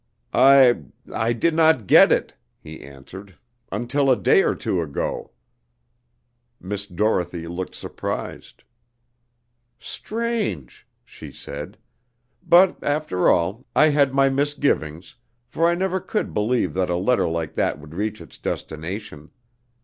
"I I did not get it," he answered, "until a day or two ago." Miss Dorothy looked surprised. "Strange!" she said; "but, after all, I had my misgivings, for I never could believe that a letter like that would reach its destination.